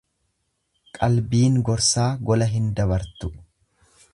Qalbiin gorsaa gola hin dabartu.